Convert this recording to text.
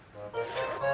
overlook pada ambitious